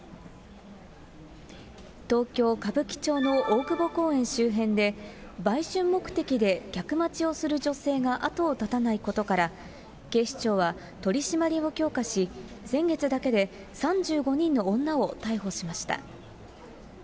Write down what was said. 東京・歌舞伎町の大久保公園周辺で、売春目的で客待ちをする女性が後を絶たないことから、警視庁は取締りを強化し、先月だけで３５人の女を逮捕しました。